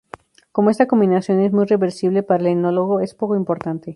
Como esta combinación es muy reversible, para el enólogo es poco importante.